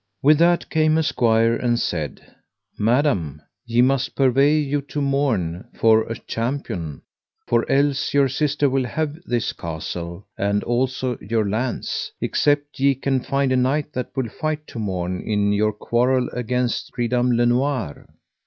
With that came a squire and said: Madam, ye must purvey you to morn for a champion, for else your sister will have this castle and also your lands, except ye can find a knight that will fight to morn in your quarrel against Pridam le Noire.